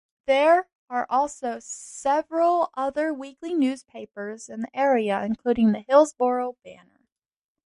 There are also several other weekly newspapers in the area including the "Hillsboro Banner".